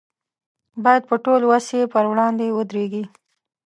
باید په ټول وس یې پر وړاندې ودرېږي.